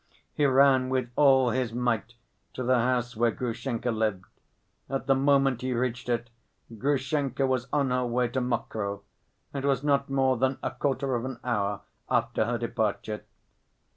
He ran with all his might to the house where Grushenka lived. At the moment he reached it, Grushenka was on her way to Mokroe. It was not more than a quarter of an hour after her departure.